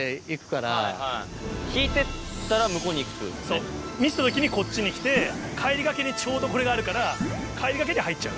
そう満ちた時にこっちに来て帰りがけにちょうどこれがあるから帰りがけに入っちゃう。